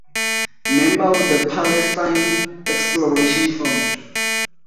Member of the Palestine Exploration Fund.